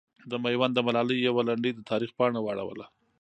د میوند د ملالې یوه لنډۍ د تاریخ پاڼه واړوله.